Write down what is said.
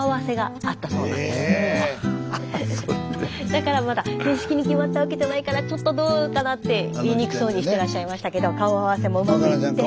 だからまだ正式に決まったわけじゃないからちょっとどうかなって言いにくそうにしてらっしゃいましたけど顔合わせもうまくいって。